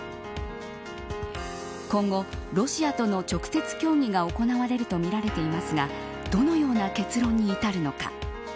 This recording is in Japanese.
今後、ロシアとの直接協議が行われるとみられていますがどのような結論に至るのか。